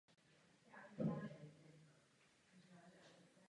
Zřeknutí se označení původu je, naneštěstí, pouze nejnovější hrozná myšlenka.